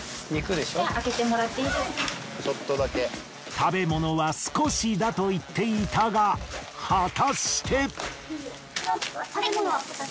食べ物は少しだと言っていたが果たして。